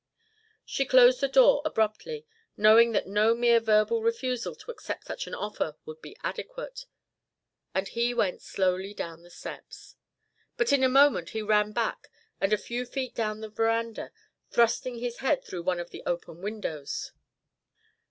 She closed the door abruptly, knowing that no mere verbal refusal to accept such an offer would be adequate, and he went slowly down the steps. But in a moment he ran back and a few feet down the veranda, thrusting his head through one of the open windows.